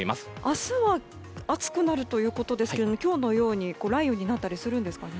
明日は暑くなるということですけれども今日のように雷雨になったりするんですかね。